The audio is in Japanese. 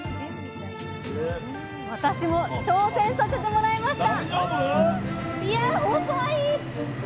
私も挑戦させてもらいました大丈夫？